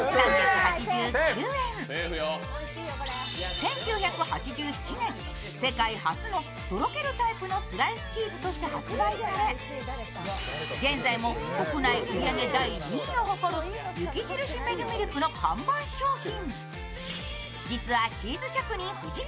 １９８７年、世界初のとろけるタイプのスライスチーズとして発売され、現在も国内売り上げ第２位を誇る雪印メグミルクの看板商品。